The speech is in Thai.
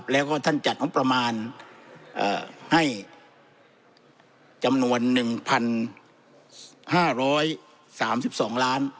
แล้วก็ท่านจัดงบประมาณให้จำนวน๑๕๓๒ล้าน